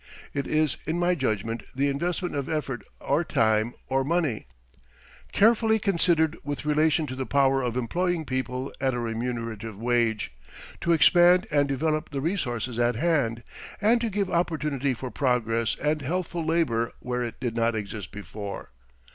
It is, in my judgment, the investment of effort or time or money, carefully considered with relation to the power of employing people at a remunerative wage, to expand and develop the resources at hand, and to give opportunity for progress and healthful labour where it did not exist before.